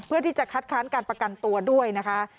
เพื่อที่จะคัดค้านการประกันตัวด้วยนะคะ